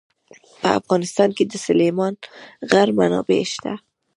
په افغانستان کې د سلیمان غر منابع شته.